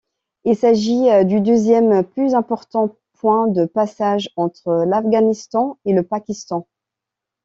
Il s'agit du deuxième plus important point de passage entre l'Afghanistan et le Pakistan.